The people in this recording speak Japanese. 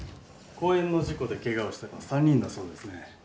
公園の事故でケガをしたのは３人だそうですね。